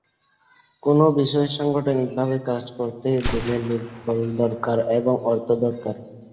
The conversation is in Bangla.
কোনো বিষয়ে সাংগঠনিকভাবে কাজ করতে গেলে লোকবল দরকার এবং অর্থ দরকার।